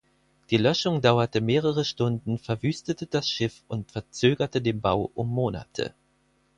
Die Löschung dauerte mehrere Stunden, verwüstete das Schiff und verzögerte den Bau um Monate.